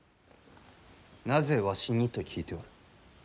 なぜ、わしにと聞いておる。